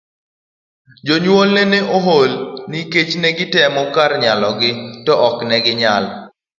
Jonyuolne ne ool nikech ne gitemo kar nyalogi to ne ok ginyal.